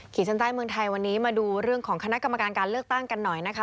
ชั้นใต้เมืองไทยวันนี้มาดูเรื่องของคณะกรรมการการเลือกตั้งกันหน่อยนะคะ